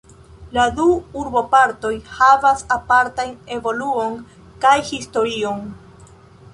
La du urbopartoj havas apartajn evoluon kaj historion.